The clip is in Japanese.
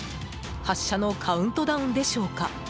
発射のカウントダウンでしょうか。